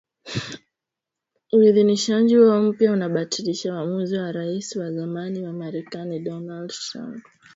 Uidhinishaji huo mpya unabatilisha uamuzi wa Rais wa zamani wa Marekani Donald Trump wa Disemba mwaka elfu mbili ishirini wa kuwaondoa wanajeshi mia saba wa kikosi maalum